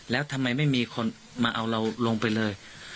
แล้วทำไมไม่มีคนมาเอาเราลงไปเลย